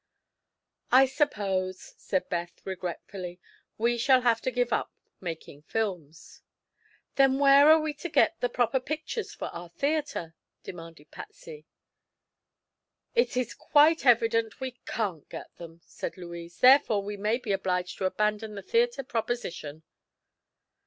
"I suppose," said Beth regretfully, "we shall have to give up making films." "Then where are we to get the proper pictures for our theatre?" demanded Patsy. "It is quite evident we can't get them," said Louise. "Therefore we may be obliged to abandon the theatre proposition."